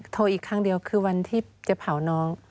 อีกครั้งเดียวคือวันที่จะเผาน้อง